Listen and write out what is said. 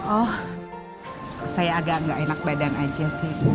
oh saya agak nggak enak badan aja sih